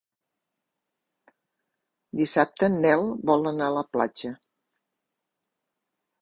Dissabte en Nel vol anar a la platja.